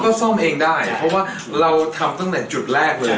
ก็ซ่อมเองได้เพราะว่าเราทำตั้งแต่จุดแรกเลย